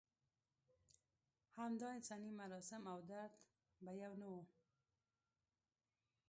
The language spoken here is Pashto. همدا انساني مراسم او درد به یو نه و.